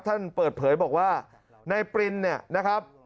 ท่านเปิดเผยบอกว่านายปรินเนี่ยนะครับ